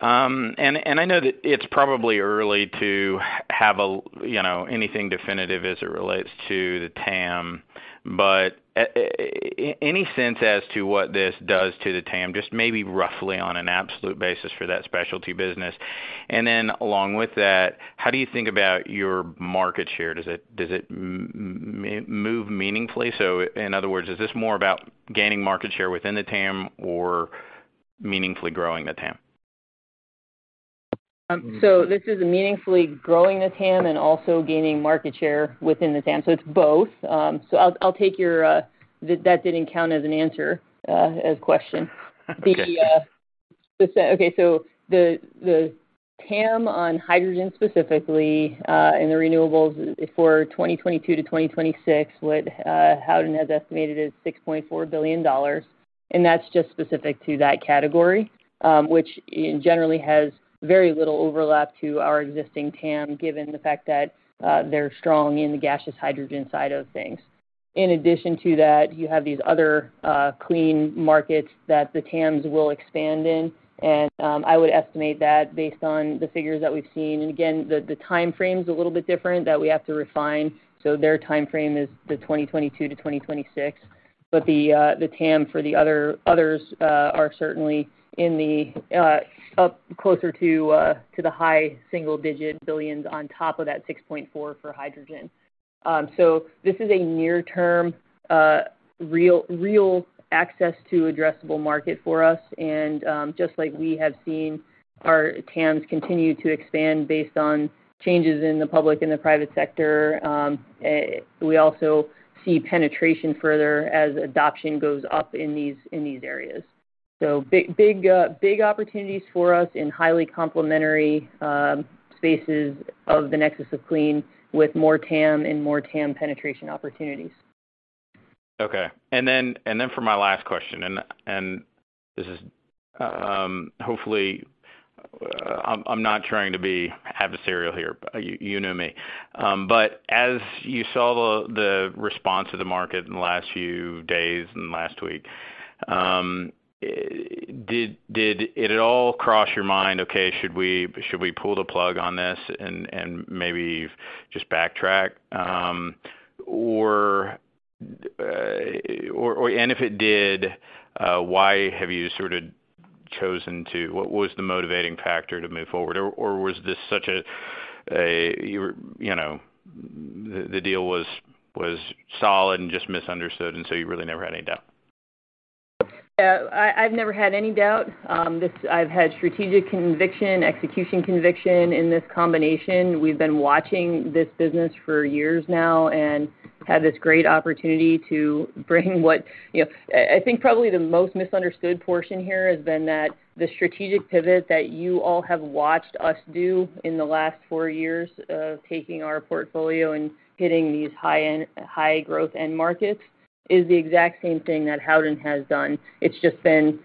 And I know that it's probably early to have a, you know, anything definitive as it relates to the TAM, but any sense as to what this does to the TAM, just maybe roughly on an absolute basis for that specialty business. And then along with that, how do you think about your market share? Does it move meaningfully? In other words, is this more about gaining market share within the TAM or meaningfully growing the TAM? This is meaningfully growing the TAM and also gaining market share within the TAM. It's both. I'll take your that didn't count as an answer as a question. Okay. The TAM on hydrogen specifically and the renewables for 2022-2026 would Howden has estimated is $6.4 billion, and that's just specific to that category, which generally has very little overlap to our existing TAM, given the fact that they're strong in the gaseous hydrogen side of things. In addition to that, you have these other clean markets that the TAMs will expand in. I would estimate that based on the figures that we've seen, and again, the time frame's a little bit different that we have to refine. Their time frame is the 2022-2026. The TAM for the others are certainly up closer to the high-single-digit billions on top of that $6.4 billion for hydrogen. This is a near-term real access to addressable market for us. Just like we have seen our TAMs continue to expand based on changes in the public and the private sector, we also see penetration further as adoption goes up in these areas. Big opportunities for us in highly complementary spaces of the nexus of clean with more TAM and more TAM penetration opportunities. Okay. For my last question, this is hopefully I'm not trying to be adversarial here, but you know me. As you saw the response of the market in the last few days and last week, did it at all cross your mind, should we pull the plug on this and maybe just backtrack? If it did, why have you sort of chosen to? What was the motivating factor to move forward? Was this such a you know, the deal was solid and just misunderstood, and so you really never had any doubt? Yeah. I've never had any doubt. I've had strategic conviction, execution conviction in this combination. We've been watching this business for years now and had this great opportunity. I think probably the most misunderstood portion here has been that the strategic pivot that you all have watched us do in the last four years of taking our portfolio and hitting these high-end, high growth end markets is the exact same thing that Howden has done. It's just been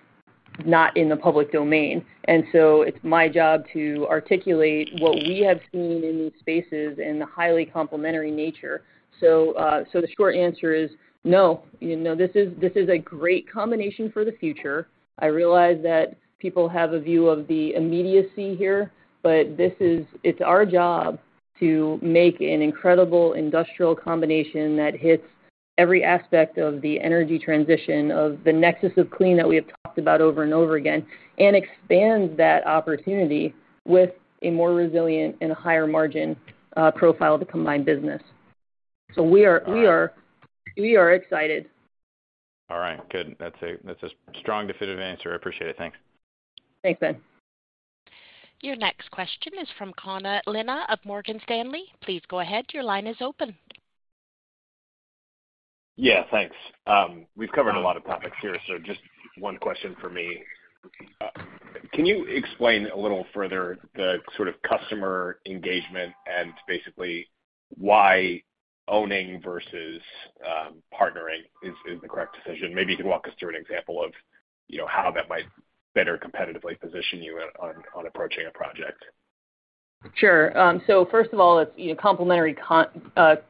not in the public domain. It's my job to articulate what we have seen in these spaces and the highly complementary nature. The short answer is no. You know, this is a great combination for the future. I realize that people have a view of the immediacy here, but this is our job to make an incredible industrial combination that hits every aspect of the energy transition of The Nexus of Clean that we have talked about over and over again, and expands that opportunity with a more resilient and a higher margin profile of the combined business. All right. We are excited. All right. Good. That's a strong, definitive answer. I appreciate it. Thanks. Thanks, Ben. Your next question is from Connor Lynagh of Morgan Stanley. Please go ahead. Your line is open. Yeah, thanks. We've covered a lot of topics here, so just one question for me. Can you explain a little further the sort of customer engagement and basically why owning versus partnering is the correct decision? Maybe you can walk us through an example of, you know, how that might better competitively position you on approaching a project. Sure. First of all, it's, you know, complementary content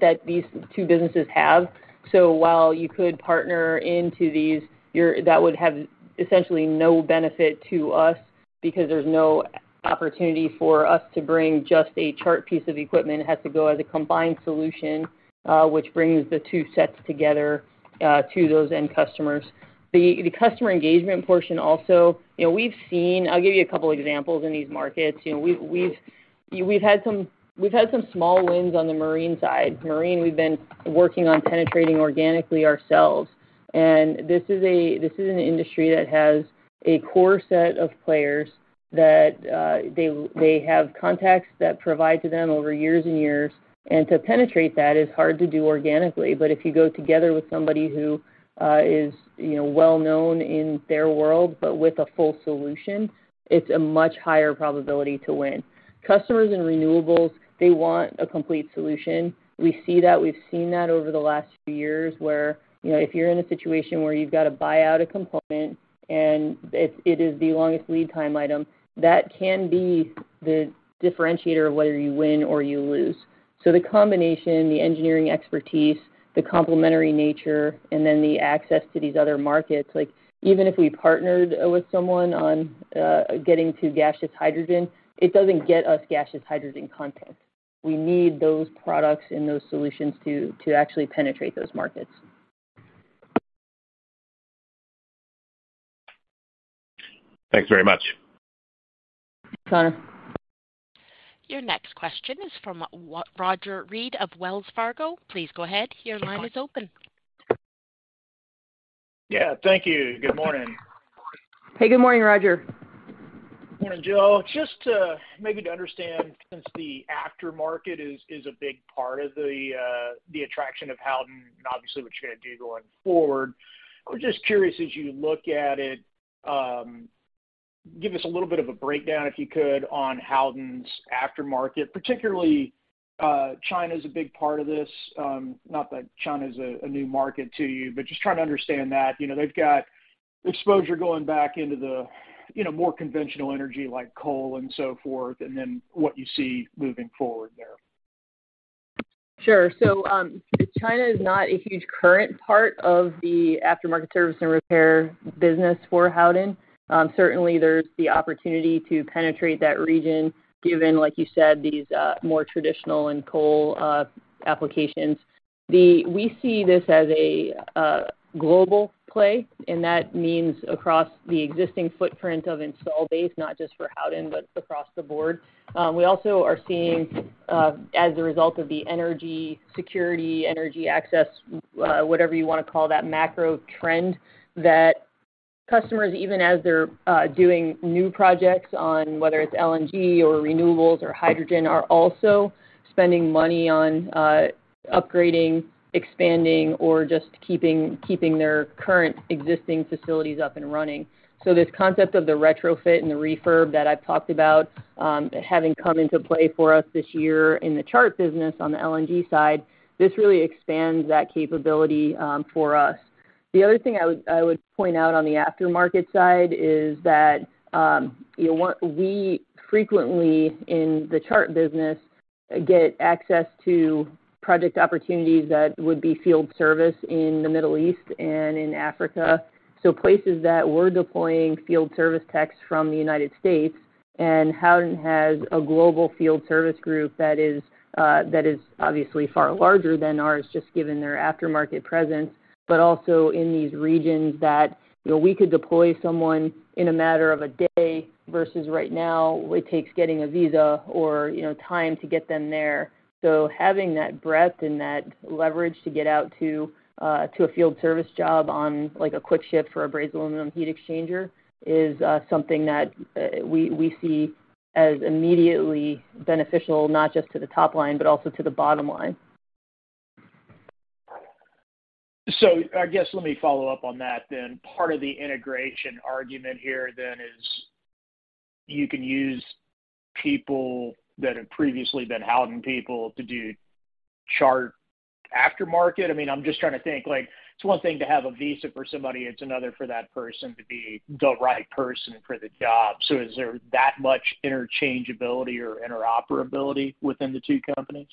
that these two businesses have. While you could partner into these, that would have essentially no benefit to us because there's no opportunity for us to bring just a Chart piece of equipment. It has to go as a combined solution, which brings the two sets together to those end customers. The customer engagement portion also, you know, we've seen. I'll give you a couple examples in these markets. You know, we've had some small wins on the marine side. Marine, we've been working on penetrating organically ourselves. This is an industry that has a core set of players that they have contacts that provide to them over years and years. To penetrate that is hard to do organically. If you go together with somebody who is, you know, well-known in their world, but with a full solution, it's a much higher probability to win. Customers in renewables, they want a complete solution. We see that. We've seen that over the last few years, where, you know, if you're in a situation where you've got to buy out a component and it is the longest lead time item, that can be the differentiator of whether you win or you lose. The combination, the engineering expertise, the complementary nature, and then the access to these other markets, like even if we partnered with someone on getting to gaseous hydrogen, it doesn't get us gaseous hydrogen content. We need those products and those solutions to actually penetrate those markets. Thanks very much. Connor. Your next question is from Roger Read of Wells Fargo. Please go ahead. Your line is open. Yeah. Thank you. Good morning. Hey, good morning, Roger. Morning, Jill. Just to maybe to understand, since the aftermarket is a big part of the attraction of Howden, obviously what you're gonna do going forward. I was just curious, as you look at it, give us a little bit of a breakdown, if you could, on Howden's aftermarket. Particularly, China is a big part of this. Not that China is a new market to you, but just trying to understand that. You know, they've got exposure going back into the, you know, more conventional energy like coal and so forth, and then what you see moving forward there. Sure. China is not a huge current part of the aftermarket service and repair business for Howden. Certainly there's the opportunity to penetrate that region given, like you said, these more traditional and coal applications. We see this as a global play, and that means across the existing footprint of install base, not just for Howden, but across the board. We also are seeing as a result of the energy security, energy access, whatever you wanna call that macro trend, that customers, even as they're doing new projects on whether it's LNG or renewables or hydrogen, are also spending money on upgrading, expanding, or just keeping their current existing facilities up and running. This concept of the retrofit and the refurb that I've talked about, having come into play for us this year in the Chart business on the LNG side, this really expands that capability, for us. The other thing I would point out on the aftermarket side is that, you know, we frequently in the Chart business get access to project opportunities that would be field service in the Middle East and in Africa. Places that we're deploying field service techs from the United States, and Howden has a global field service group that is, that is obviously far larger than ours, just given their aftermarket presence, but also in these regions that, you know, we could deploy someone in a matter of a day versus right now, it takes getting a visa or, you know, time to get them there. Having that breadth and that leverage to get out to a field service job on like a quick ship for a brazed aluminum heat exchanger is something that we see as immediately beneficial, not just to the top line, but also to the bottom line. I guess let me follow up on that then. Part of the integration argument here then is you can use people that have previously been Howden people to do Chart aftermarket. I mean, I'm just trying to think, like, it's one thing to have a visa for somebody, it's another for that person to be the right person for the job. Is there that much interchangeability or interoperability within the two companies?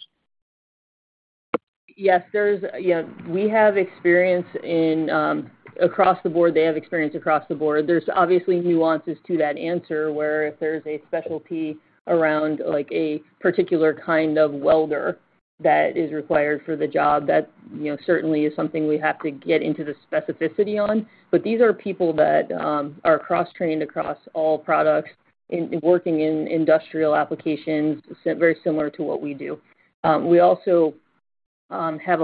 Yes, there is. Yeah, we have experience in across the board. They have experience across the board. There's obviously nuances to that answer, where if there's a specialty around, like, a particular kind of welder that is required for the job, that, you know, certainly is something we have to get into the specificity on. But these are people that are cross-trained across all products in working in industrial applications, very similar to what we do. We also have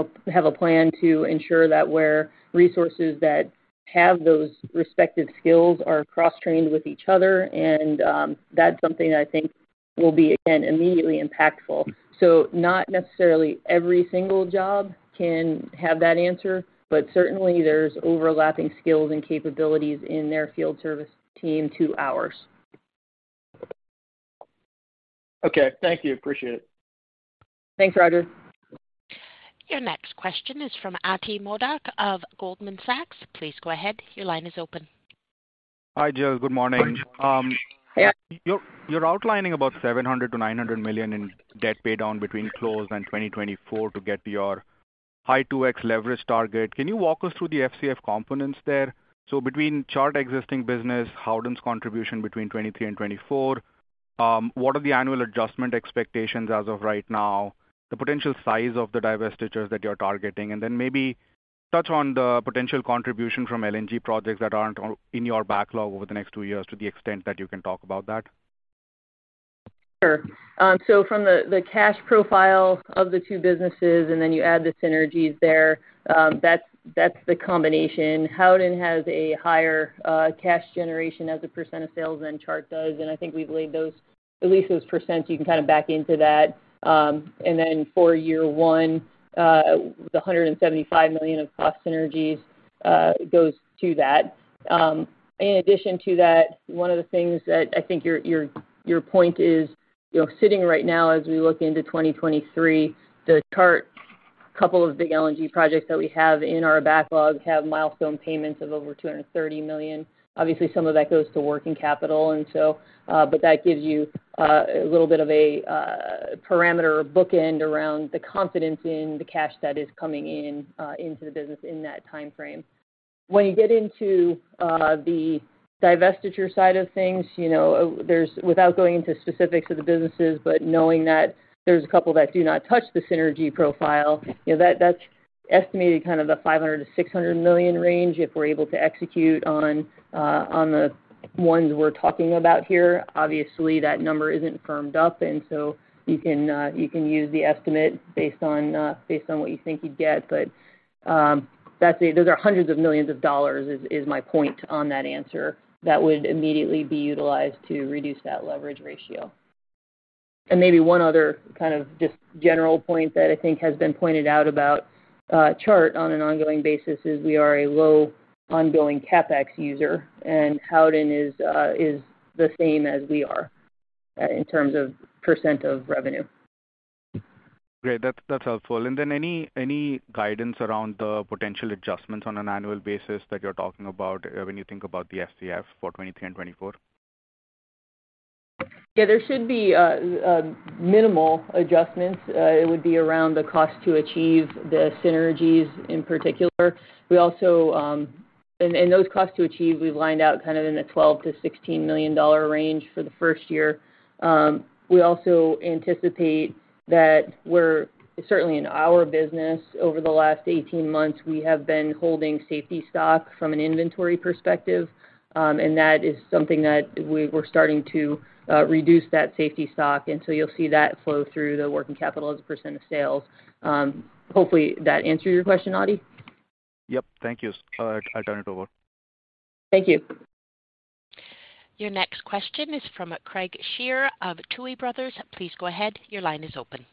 a plan to ensure that where resources that have those respective skills are cross-trained with each other, and that's something I think will be again immediately impactful. Not necessarily every single job can have that answer, but certainly there's overlapping skills and capabilities in their field service team to ours. Okay. Thank you. Appreciate it. Thanks, Roger. Your next question is from Ati Modak of Goldman Sachs. Please go ahead. Your line is open. Hi, Jill. Good morning. Yes. You're outlining about $700 million-$900 million in debt pay down between close and 2024 to get to your high 2x leverage target. Can you walk us through the FCF components there? Between Chart existing business, Howden's contribution between 2023 and 2024, what are the annual adjustment expectations as of right now, the potential size of the divestitures that you're targeting? Then maybe touch on the potential contribution from LNG projects that aren't on, in your backlog over the next two years to the extent that you can talk about that. Sure. From the cash profile of the two businesses, and then you add the synergies there, that's the combination. Howden has a higher cash generation as a percent of sales than Chart does, and I think we've laid those, at least those percent, you can kind of back into that. For year one, the $175 million of cost synergies goes to that. In addition to that, one of the things that I think your point is, you know, sitting right now as we look into 2023, the Chart couple of big LNG projects that we have in our backlog have milestone payments of over $230 million. Obviously, some of that goes to working capital and so, but that gives you a little bit of a parameter or bookend around the confidence in the cash that is coming in into the business in that timeframe. When you get into the divestiture side of things, you know, there's without going into specifics of the businesses, but knowing that there's a couple that do not touch the synergy profile, you know, that's estimated kind of the $500 million-$600 million range if we're able to execute on the ones we're talking about here. Obviously, that number isn't firmed up, and so you can use the estimate based on what you think you'd get. Those are hundreds of millions of dollars is my point on that answer that would immediately be utilized to reduce that leverage ratio. Maybe one other kind of just general point that I think has been pointed out about Chart on an ongoing basis is we are a low ongoing CapEx user, and Howden is the same as we are in terms of percent of revenue. Great. That's helpful. Any guidance around the potential adjustments on an annual basis that you're talking about when you think about the FCF for 2023 and 2024? Yeah, there should be minimal adjustments. It would be around the cost to achieve the synergies in particular. We also those costs to achieve, we've laid out kind of in the $12 million-$16 million range for the first year. We also anticipate that certainly in our business over the last 18 months, we have been holding safety stock from an inventory perspective, and that is something that we're starting to reduce that safety stock, and so you'll see that flow through the working capital as a percent of sales. Hopefully that answered your question, Ati. Yep. Thank you. All right. I'll turn it over. Thank you. Your next question is from Craig Shere of Tuohy Brothers. Please go ahead. Your line is open.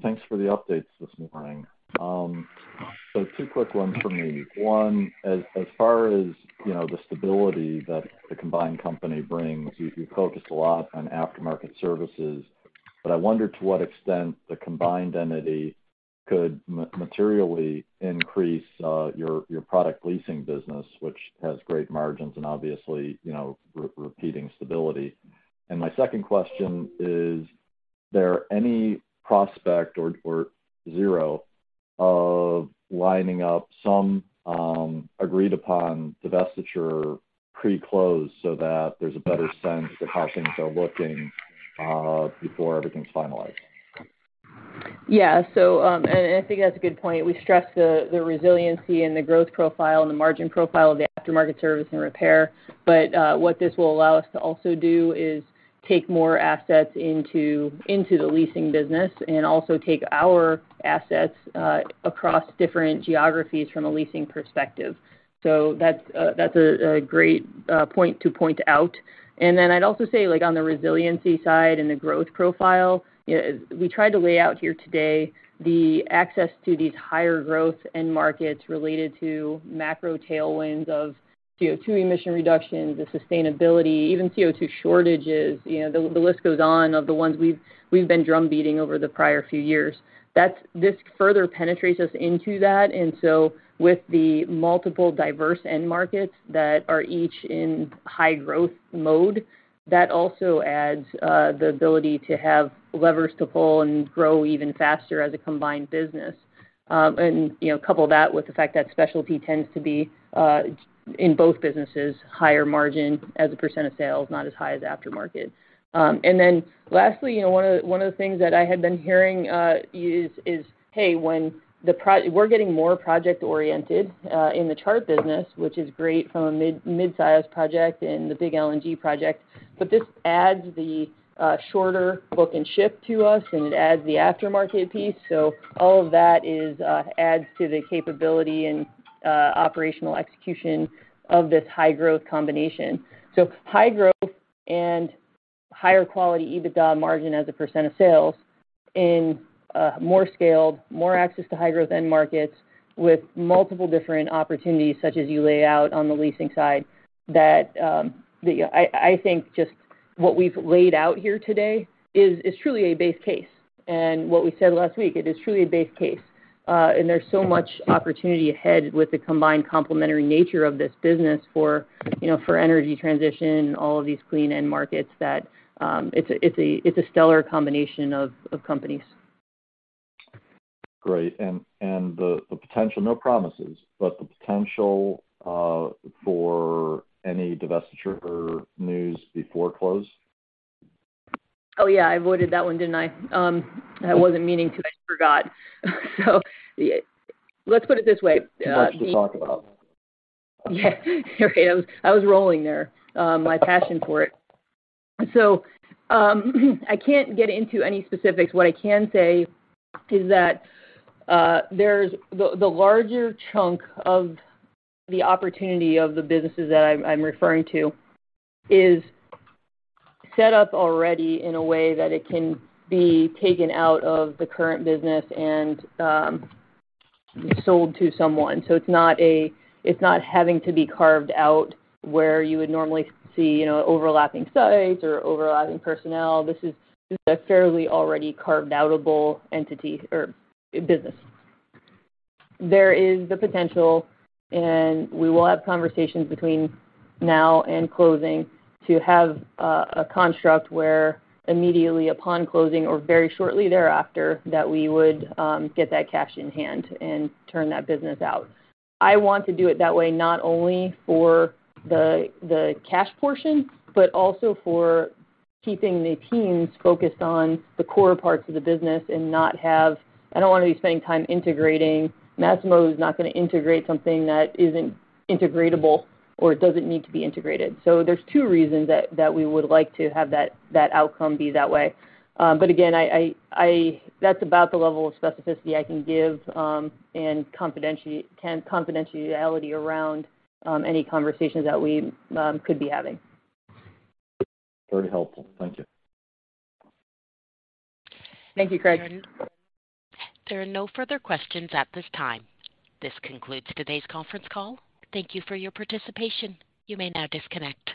Thanks for the updates this morning. Two quick ones from me. One, as far as, you know, the stability that the combined company brings, you focused a lot on aftermarket services, but I wonder to what extent the combined entity could materially increase your product leasing business, which has great margins and obviously, you know, recurring stability. My second question is there any prospect of lining up some agreed upon divestiture pre-close so that there's a better sense of how things are looking before everything's finalized? I think that's a good point. We stress the resiliency and the growth profile and the margin profile of the aftermarket service and repair. What this will allow us to also do is take more assets into the leasing business and also take our assets across different geographies from a leasing perspective. That's a great point to point out. Then I'd also say like on the resiliency side and the growth profile, you know, we tried to lay out here today the access to these higher growth end markets related to macro tailwinds of CO2 emission reductions, the sustainability, even CO2 shortages. You know, the list goes on of the ones we've been drum beating over the prior few years. This further penetrates us into that. With the multiple diverse end markets that are each in high growth mode, that also adds the ability to have levers to pull and grow even faster as a combined business. You know, couple that with the fact that specialty tends to be in both businesses, higher margin as a percent of sales, not as high as aftermarket. Then lastly, you know, one of the things that I had been hearing is, hey, when we're getting more project-oriented in the Chart business, which is great from a mid-sized project and the big LNG project, but this adds the shorter book and ship to us, and it adds the aftermarket piece. All of that adds to the capability and operational execution of this high growth combination. High growth and higher quality EBITDA margin as a percent of sales in more scaled, more access to high growth end markets with multiple different opportunities such as you lay out on the leasing side that I think just what we've laid out here today is truly a base case. What we said last week, it is truly a base case. There's so much opportunity ahead with the combined complementary nature of this business for, you know, for energy transition, all of these clean end markets that it's a stellar combination of companies. Great. The potential, no promises, but the potential, for any divestiture news before close? Oh, yeah, I avoided that one, didn't I? I wasn't meaning to, I forgot. Let's put it this way. Too much to talk about. Yeah. Okay. I was rolling there, my passion for it. I can't get into any specifics. What I can say is that, there's the larger chunk of the opportunity of the businesses that I'm referring to is set up already in a way that it can be taken out of the current business and sold to someone. It's not having to be carved out where you would normally see, you know, overlapping sites or overlapping personnel. This is a fairly already carved out-able entity or business. There is the potential, and we will have conversations between now and closing to have a construct where immediately upon closing or very shortly thereafter that we would get that cash in hand and turn that business out. I want to do it that way not only for the cash portion, but also for keeping the teams focused on the core parts of the business. I don't want to be spending time integrating. Massimo is not going to integrate something that isn't integratable or it doesn't need to be integrated. There's two reasons that we would like to have that outcome be that way. Again, that's about the level of specificity I can give, and confidentiality around any conversations that we could be having. Very helpful. Thank you. Thank you, Craig. There are no further questions at this time. This concludes today's conference call. Thank you for your participation. You may now disconnect.